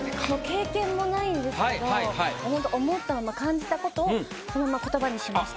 経験もないんですけど思ったまま感じたことをそのまま言葉にしました。